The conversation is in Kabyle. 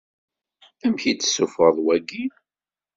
Amek i d-tessuffuɣeḍ wagi?